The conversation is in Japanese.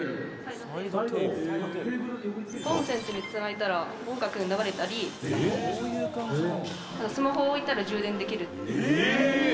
「コンセントにつないだら音楽が流れたりスマホを置いたら充電できる」「ええー！